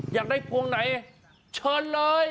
อยากได้พวงไหนเชิญเลย